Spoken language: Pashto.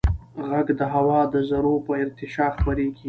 غږ د هوا د ذرّو په ارتعاش خپرېږي.